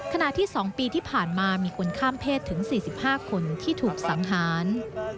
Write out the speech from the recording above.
ที่๒ปีที่ผ่านมามีคนข้ามเพศถึง๔๕คนที่ถูกสังหาร